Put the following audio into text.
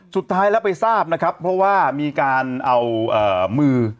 สุดท้ายไปทราบเพราะว่ามีการเอามือ